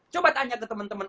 coba tanya ke teman teman